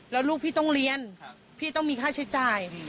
แล้วลูกพี่ต้องเรียนพี่ต้องมีค่าใช้จ่าย